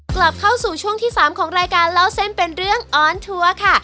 กลับเข้าสู่ช่วงที่๓ของรายการเล่าเส้นเป็นเรื่องออนทัวร์ค่ะ